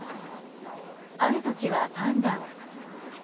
ある時はパンダを。